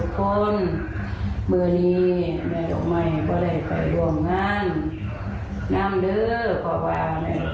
สวัสดีค่ะขอให้พี่นองทุกคน